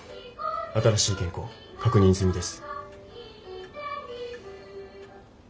新しい原稿確認済みです。